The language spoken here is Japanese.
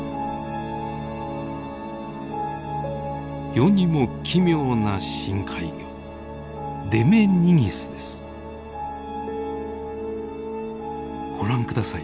世にも奇妙な深海魚ご覧下さい。